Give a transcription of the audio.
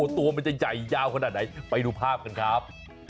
ตัวมันจะใหญ่ยาวขนาดไหนไปดูภาพกันครับ